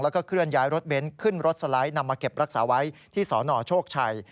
แล้วก็เคลื่อนย้ายรถเบนท์ขึ้นรถสไลด์นำมาเก็บรักษาไว้ที่สนโชคชัย